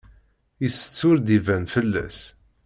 Itett ur d-iban fell-as.